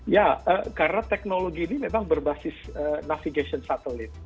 ya karena teknologi ini memang berbasis navigation satelit